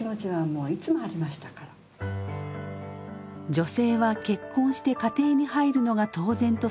女性は結婚して家庭に入るのが当然とされた時代。